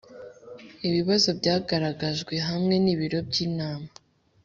ibibazo byagaragajwe hamwe ni biro by inama